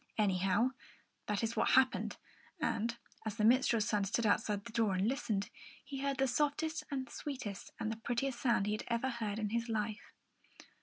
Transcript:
Anyhow, that is what had happened; and as the minstrel's son stood outside the door and listened, he heard the softest and the sweetest and the prettiest sound he had ever heard in his life.